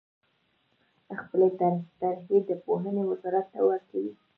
خپلې طرحې د پوهنې وزارت ته ورکوي.